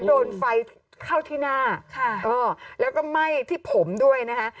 โดนไฟเข้าที่หน้าแล้วก็ไหม้ที่ผมด้วยนะคะ